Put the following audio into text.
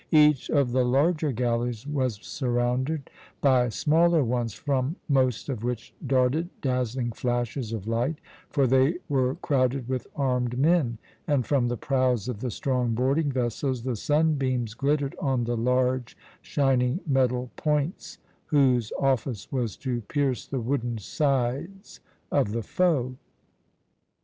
Each of the larger galleys was surrounded by smaller ones, from most of which darted dazzling flashes of light, for they were crowded with armed men, and from the prows of the strong boarding vessels the sunbeams glittered on the large shining metal points whose office was to pierce the wooden sides of the foe.